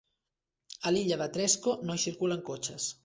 A l'illa de Tresco no hi circulen cotxes.